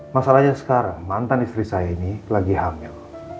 masalahnya sekarang mantan istri saya ini lagi hamil